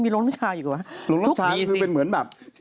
ลงน้ำชาคือเหมือนแบบ